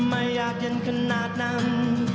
ไม่ยากเย็นขนาดนั้น